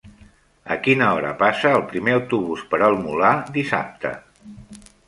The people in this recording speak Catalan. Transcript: A quina hora passa el primer autobús per el Molar dissabte?